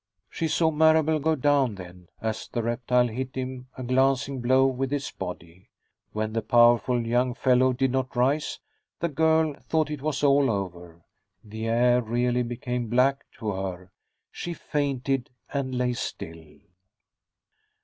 She saw Marable go down, then, as the reptile hit him a glancing blow with its body. When the powerful young fellow did not rise, the girl thought it was all over. The air really became black to her; she fainted and lay still.